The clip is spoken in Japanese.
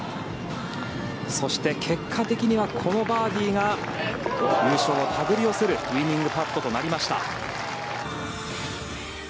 そして、結果的にはこのバーディーが優勝を手繰り寄せるウィニングパットとなりました。